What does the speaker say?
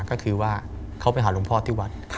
ก็คือว่าเขาไปหาหลวงพ่อที่วัด